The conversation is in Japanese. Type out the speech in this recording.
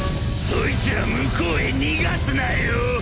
そいつら向こうへ逃がすなよ。